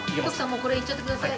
もうこれいっちゃってください。